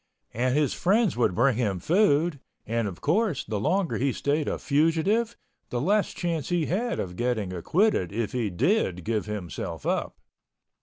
And his friends would bring him food—and, of course, the longer he stayed a fugitive, the less chance he had of getting acquitted if he did give himself up.